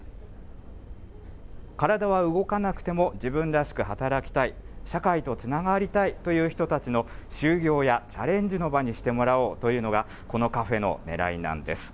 体は動かなくても、自分らしく働きたい、社会とつながりたいという人たちの就業やチャレンジの場にしてもらおうというのが、このカフェのねらいなんです。